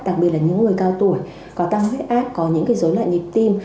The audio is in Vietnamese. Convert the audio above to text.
đặc biệt là những người cao tuổi có tăng huyết ác có những cái dối loạn nhịp tim